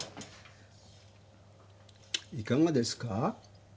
いかがですか？